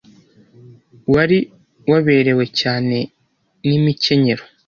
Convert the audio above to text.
wari waberewe cyane n’imicyenyero